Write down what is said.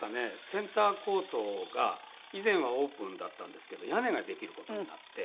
センターコートが以前はオープンだったんですけど屋根ができる事になって。